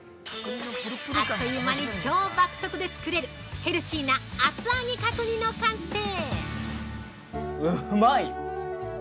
あっという間に超爆速で作れるヘルシーな厚揚げ角煮の完成！